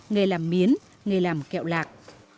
nghề làm miến nghề làm kẹo lạc